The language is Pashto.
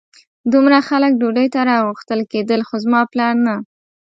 دومره خلک ډوډۍ ته راغوښتل کېدل خو زما پلار نه.